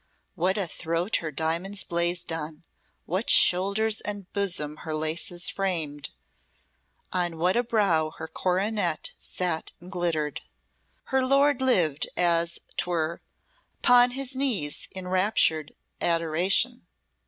What a throat her diamonds blazed on, what shoulders and bosom her laces framed, on what a brow her coronet sat and glittered. Her lord lived as 'twere upon his knees in enraptured adoration.